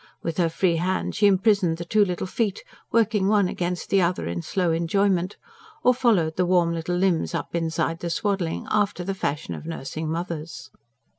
With her free hand she imprisoned the two little feet, working one against the other in slow enjoyment; or followed the warm little limbs up inside the swaddling, after the fashion of nursing mothers.